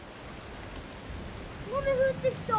雨ふってきた！